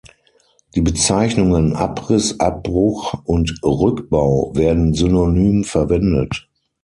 Die Bezeichnungen "Abriss", "Abbruch" und "Rückbau" werden synonym verwendet.